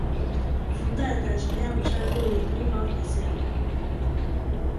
Fruta eta esnea gosaldu ditu gaur goizean.